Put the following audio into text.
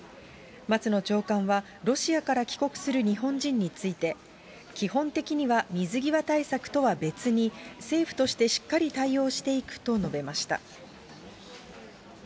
松野長官は、ロシアから帰国する日本人について、基本的には水際対策とは別に政府としてしっかり対応していくと述べました。